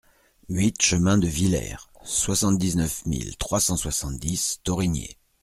huit chemin de Vilert, soixante-dix-neuf mille trois cent soixante-dix Thorigné